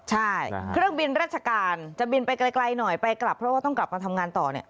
ใช่เครื่องบินราชการจะบินไปไกลหน่อยไปกลับเพราะว่าต้องกลับมาทำงานต่อเนี่ย